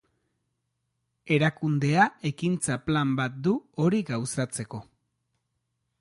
Erakundea ekintza-plan bat du hori gauzatzeko.